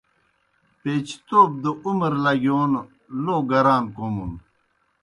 پیچتَوب دہ عمر لگِیون لو گران کوْمُن۔